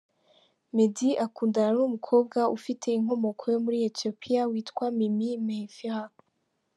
Meddy akundana n’umukobwa ufite inkomoko muri Ethiopia, witwa Mimi Mehfira.